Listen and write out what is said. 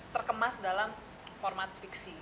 terkemas dalam format fiksi